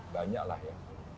banyak lah ya